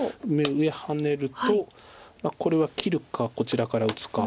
上ハネるとこれは切るかこちらから打つか。